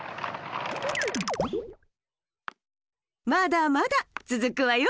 まだまだつづくわよ。